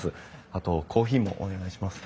あとコーヒーもお願いします。